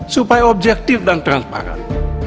supaya objektif dan transparan